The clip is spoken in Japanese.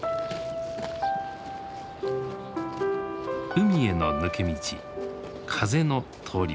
海への抜け道風の通り道。